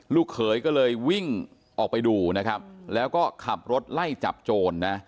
เขยก็เลยวิ่งออกไปดูนะครับแล้วก็ขับรถไล่จับโจรนะ